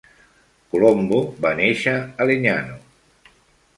Colombo va néixer a Legnano.